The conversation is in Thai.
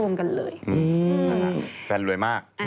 อืมแฟนรวยมาก